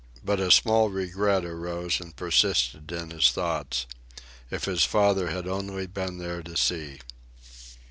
But a small regret arose and persisted in his thoughts if his father had only been there to see!